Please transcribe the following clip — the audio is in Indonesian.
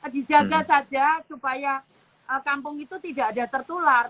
dijaga saja supaya kampung itu tidak ada tertular